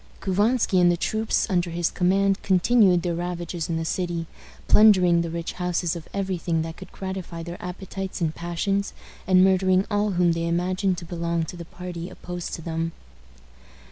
Couvansky and the troops under his command continued their ravages in the city, plundering the rich houses of every thing that could gratify their appetites and passions, and murdering all whom they imagined to belong to the party opposed to them.